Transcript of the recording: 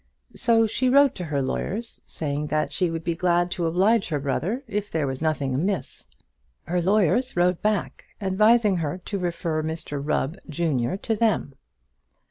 So she wrote to her lawyers, saying that she would be glad to oblige her brother if there were nothing amiss. Her lawyers wrote back, advising her to refer Mr Rubb, junior, to them.